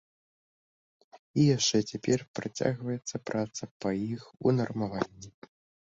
І яшчэ цяпер працягваецца праца па іх унармаванні.